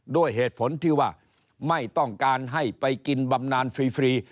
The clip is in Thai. ด้วยเหตุผลที่ว่าไม่ต้องการให้ไปกินบำนานฟรี